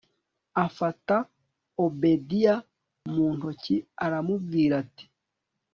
afata obedia muntoki aramubwira ati